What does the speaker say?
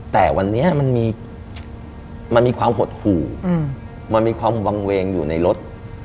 แต่วันนี้มันมีความหดหู่มันมีความวางเวงอยู่ในรถ